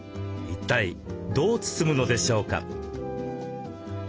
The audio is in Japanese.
一体どう包むのでしょうか？